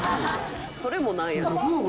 それもなんや」